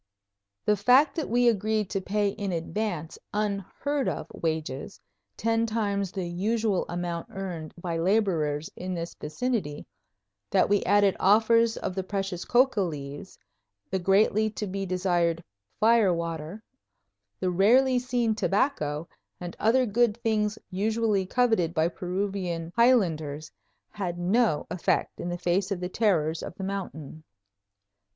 The fact that we agreed to pay in advance unheard of wages, ten times the usual amount earned by laborers in this vicinity, that we added offers of the precious coca leaves, the greatly to be desired "fire water," the rarely seen tobacco, and other good things usually coveted by Peruvian highlanders, had no effect in the face of the terrors of the mountain.